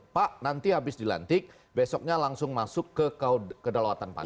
pak nanti habis dilantik besoknya langsung masuk ke kedalawatan pak